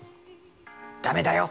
「ダメだよ！